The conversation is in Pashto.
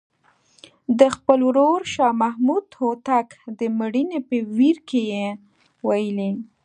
د خپل ورور شاه محمود هوتک د مړینې په ویر کې یې ویلي.